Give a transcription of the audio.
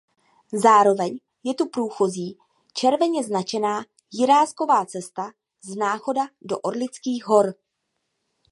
Zároveň je tu průchozí červeně značená Jiráskova cesta z Náchoda do Orlických hor.